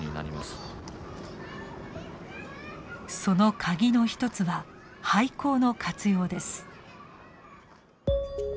そのカギの一つは廃校の活用です。